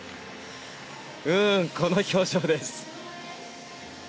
うーんこの表情です。